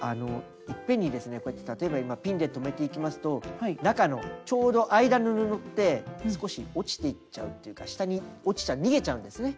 いっぺんにですねこうやって例えば今ピンで留めていきますと中のちょうど間の布って少し落ちていっちゃうっていうか下に落ちちゃう逃げちゃうんですね。